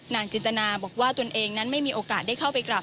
จินตนาบอกว่าตนเองนั้นไม่มีโอกาสได้เข้าไปกลับ